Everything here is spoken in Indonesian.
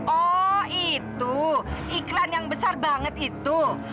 oh itu iklan yang besar banget itu